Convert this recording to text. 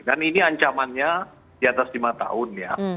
dan ini ancamannya di atas lima tahun ya